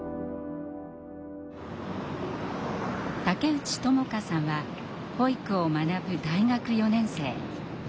竹内智香さんは保育を学ぶ大学４年生。